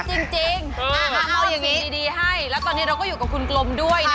อันนี้รายการสดเพื่อเปิดทีวีดูเลย